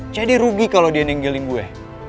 jadi rugi kalau dia ninggelin gue